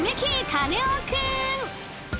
カネオくん！